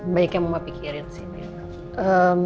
banyak yang mama pikirin sih